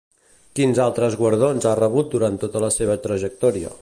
Quins altres guardons ha rebut durant tota la seva trajectòria?